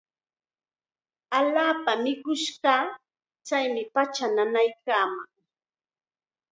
Allaapam mikush kaa. Chaymi pachaa nanaykaaman.